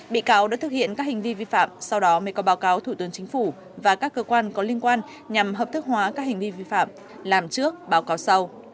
bị cáo đã thực hiện các hành vi vi phạm sau đó mới có báo cáo thủ tướng chính phủ và các cơ quan có liên quan nhằm hợp thức hóa các hành vi vi phạm làm trước báo cáo sau